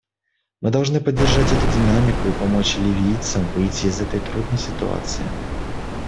Мы должны поддержать эту динамику и помочь ливийцам выйти из этой трудной ситуации.